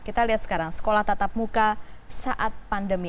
kita lihat sekarang sekolah tatap muka saat pandemi